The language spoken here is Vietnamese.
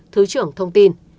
thứ trưởng thông tin